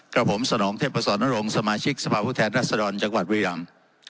กราบผมสนองเทพภาษณรงค์สมาชิกสภาพแพทนรัศดรจังหวัดวีรัง